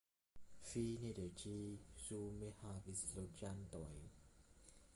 Fine de ĝi sume havis loĝantojn.